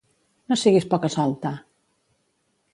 No siguis poca-solta!